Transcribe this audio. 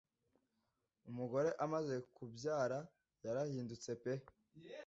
Umugore amaze kubyara yarahindutse peee